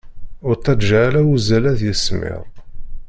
Ur ttaǧǧa ara uzzal ad yismiḍ!